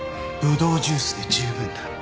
ブドウジュースで十分だ。